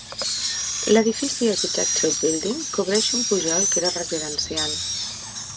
L'edifici Architecture Building cobreix un pujol que era residencial.